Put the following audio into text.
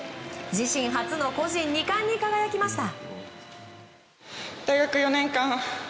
自身初の個人２冠に輝きました。